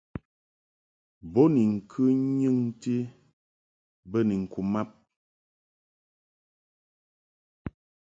Bo ni ŋkɨ nyɨŋti bə ni ŋku mab.